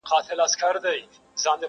• مخ ګلاب لېمه نرګس زلفي سنبل سوې,